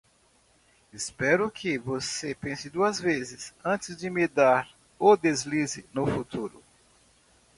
Espero que? você pense duas vezes antes de me dar o deslize no futuro.